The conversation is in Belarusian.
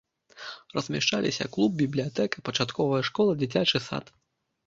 Размяшчаліся клуб, бібліятэка, пачатковая школа, дзіцячы сад.